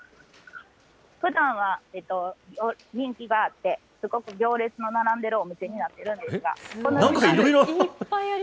ふだんは人気があって、すごく行列の並んでいるお店になってなんかいろいろ。